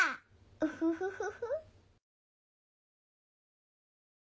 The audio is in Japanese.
ウフフフフ。